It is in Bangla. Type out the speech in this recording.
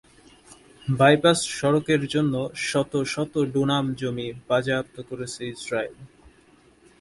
বাইপাস সড়কের জন্য শত শত ডুনাম জমি বাজেয়াপ্ত করেছে ইসরাইল।